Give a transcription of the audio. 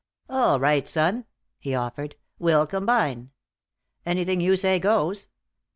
"All right, son," he offered. "We'll combine. Anything you say goes.